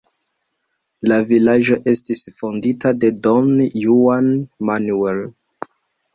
La vilaĝo estis fondita de Don Juan Manuel.